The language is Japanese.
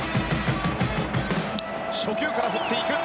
初球から振っていく。